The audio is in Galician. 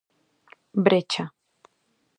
Brecha.